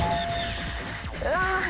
うわ。